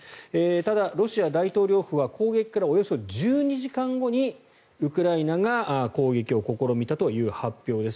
ただ、ロシア大統領府は攻撃からおよそ１２時間後にウクライナが攻撃を試みたという発表です。